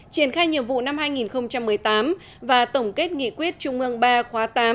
triển khai nhiệm vụ năm hai nghìn một mươi tám và tổng kết nghị quyết trung ương ba khóa tám